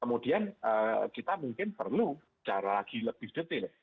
kemudian kita mungkin perlu jalan lagi lebih detil